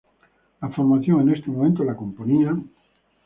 La formación en ese momento la componían.